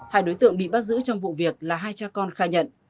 hai đối tượng bị bắt giữ trong vụ việc là hai cha con khai nhận